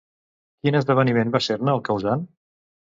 Quin esdeveniment va ser-ne el causant?